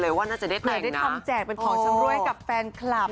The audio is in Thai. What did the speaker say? เลยว่าน่าจะได้แต่งนะเหมือนได้ทำแจกเป็นของชำรวยกับแฟนคลับ